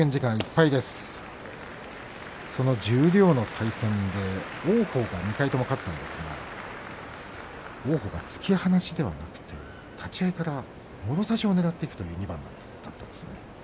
その十両の対戦で王鵬が２回とも勝ったんですが突き放しではなくて立ち合いからもろ差しをねらっていくという２番でした。